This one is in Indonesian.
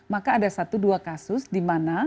maka ada satu dua kasus di mana